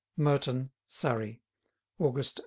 MERTON, SURREY: August, 1898.